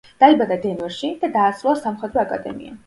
დაიბადა დენვერში და დაასრულა სამხედრო აკადემია.